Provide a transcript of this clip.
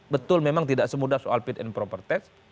betul memang tidak semudah soal fit and proper test